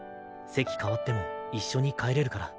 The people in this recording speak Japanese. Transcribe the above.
席替わっても一緒に帰れるから。